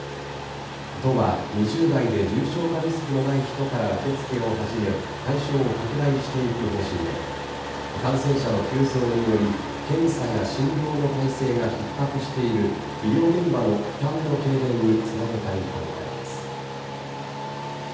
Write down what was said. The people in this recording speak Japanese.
都は２０代で重症化リスクのない人から受け付けを始め対象を拡大していく方針で感染者の急増により検査や診療の体制がひっ迫している医療現場の負担の軽減につなげたい考えです。